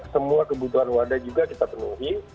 semua kebutuhan wadah juga kita penuhi